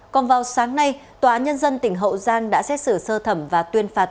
còn vào sáng nay tòa nhân dân tỉnh hậu giang đã xét xử sơ thẩm và tuyên phạt